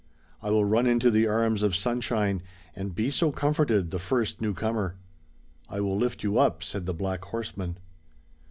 I will run into the arms of Sunshine And be so comforted, the first new comer. "I will lift you up," said the black horseman.